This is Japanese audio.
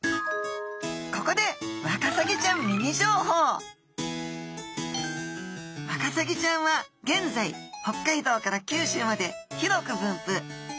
ここでワカサギちゃんミニ情報ワカサギちゃんは現在北海道から九州まで広く分布。